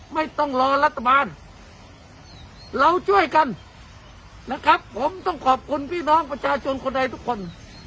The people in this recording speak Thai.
ไม่ต้องรอรัฐบาลเราช่วยกันนะครับผมต้องขอบคุณพี่น้องประชาชนคนใดทุกคน